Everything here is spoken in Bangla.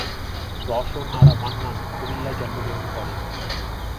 রওশন আরা মান্নান কুমিল্লায় জন্মগ্রহণ করেন।